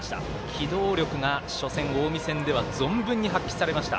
機動力が初戦、近江戦では存分に発揮されました。